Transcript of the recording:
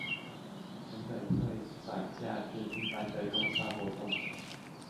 原本會轉嫁至一般的工商活動中